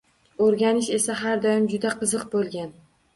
O’rganish esa har doim juda qiziq bo’lgan